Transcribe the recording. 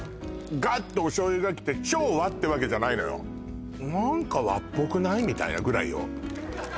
ガッとお醤油がきて超「和」ってわけじゃないのよみたいなぐらいよ